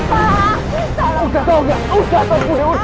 udah pak bu ne udah